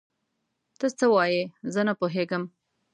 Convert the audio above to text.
ته څه وايې؟ زه نه پوهيږم.